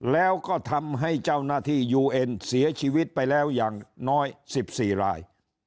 แล้วก็ทำให้เจ้าหน้าที่ยูเอ็นเสียชีวิตไปแล้วอย่างน้อย๑๔ราย